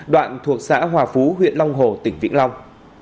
đoạn thuộc xã hòa phú huyện long hồ tỉnh vĩnh long